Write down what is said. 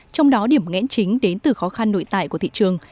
trong đó điểm nghẽn chính đến từ khó khăn nội tại của thị trường